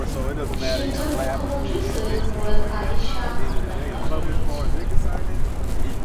সিন্ধুর মুখ্যমন্ত্রী সৈয়দ মুরাদ আলী শাহ ঘটনাটি নজরে নিয়েছিলেন।